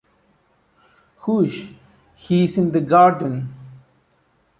Hush, he's in the garden!